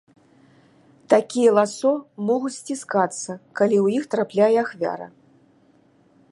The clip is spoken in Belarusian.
Такія ласо могуць сціскацца, калі ў іх трапляе ахвяра.